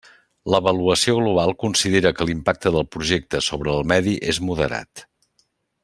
L'avaluació global considera que l'impacte del Projecte sobre el medi és moderat.